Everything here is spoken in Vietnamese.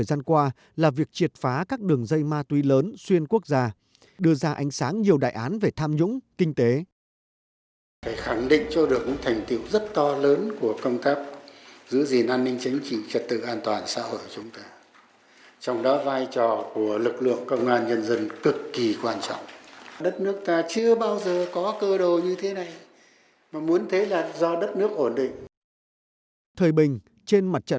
trong đó vai trò của lực lượng công an nhân dân cực kỳ quan trọng